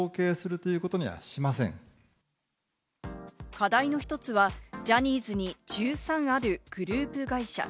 課題の１つは、ジャニーズに１３あるグループ会社。